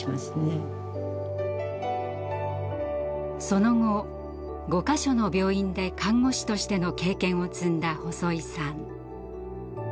その後５か所の病院で看護師としての経験を積んだ細井さん。